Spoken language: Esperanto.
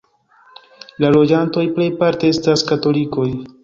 La loĝantoj plejparte estas katolikoj.